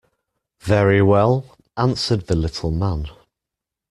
"Very well," answered the little man.